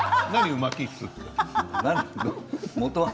うまキッスって。